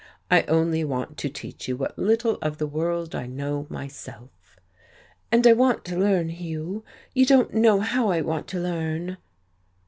"I only want to teach you what little of the world I know myself." "And I want to learn, Hugh. You don't know how I want to learn!"